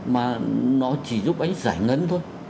mà nó chỉ giúp anh giải ngân thôi